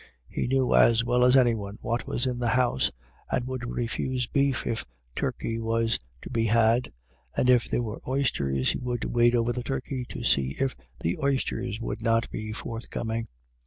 He knew as well as anyone what was in the house, and would refuse beef if turkey was to be had; and if there were oysters, he would wait over the turkey to see if the oysters would not be forthcoming.